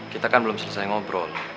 kita kan belum selesai ngobrol